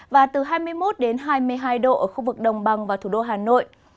và từ hai mươi một hai mươi hai độ ở khu vực đồng bằng và thủ đô hà nội